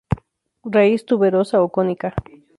Raíz tuberosa o cónica.